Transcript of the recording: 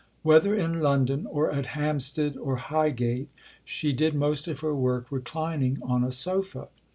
Whether in London or at Hampstead or Highgate, she did most of her work reclining on a sofa.